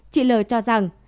chị l cho rằng